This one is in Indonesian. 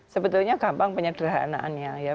sebetulnya gampang penyederhanaannya ya